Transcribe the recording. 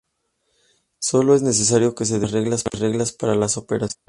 Sólo es necesario que se definen las reglas para las operaciones.